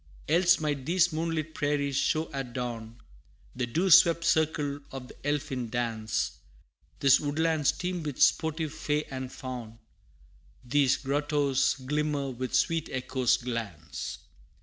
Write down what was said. Else might these moonlit prairies show at dawn, The dew swept circle of the elfin dance These woodlands teem with sportive fay and faun These grottoes glimmer with sweet Echo's glance.